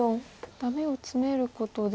ダメをツメることで。